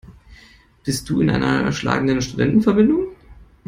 Bist du in einer schlagenden Studentenverbindung?